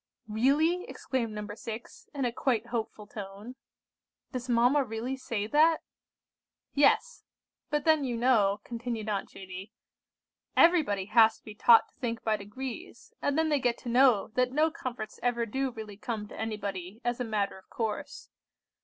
"Really?" exclaimed No. 6, in a quite hopeful tone. "Does mamma really say that?" "Yes; but then you know," continued Aunt Judy, "everybody has to be taught to think by degrees, and then they get to know that no comforts ever do really come to anybody as a matter of course.